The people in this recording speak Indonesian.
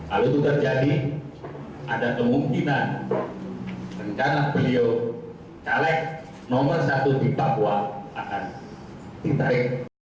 kalau itu terjadi ada kemungkinan rencana beliau caleg nomor satu di papua akan ditarik